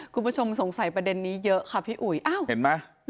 คุณผู้ชมสงสัยประเด็นนี้เยอะค่ะพี่อุ๋ยอ้าวเห็นไหม